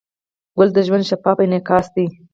ګل د ژوند شفاف انعکاس دی.